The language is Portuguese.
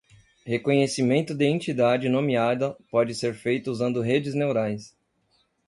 Reconhecimento de Entidade Nomeada pode ser feito usando Redes Neurais.